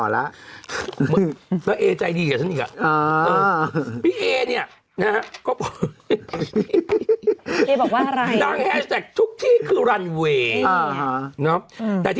นางน่ะนางเอากลับมาแล้ว